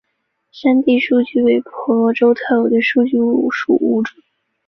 山地树鼩为婆罗洲特有的树鼩属物种。